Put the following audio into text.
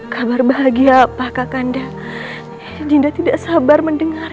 kalian semua berada di kota aidegam